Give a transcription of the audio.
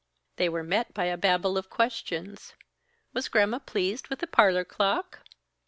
They were met by a babel of questions. "Was Gramma pleased with the parlor clock?"